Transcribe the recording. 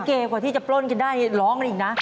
เก๋กว่าที่จะปล้นกันได้ร้องอะไรอีกนะ